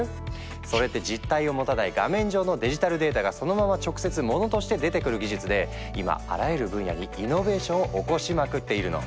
それって実体を持たない画面上のデジタルデータがそのまま直接モノとして出てくる技術で今あらゆる分野にイノベーションを起こしまくっているの。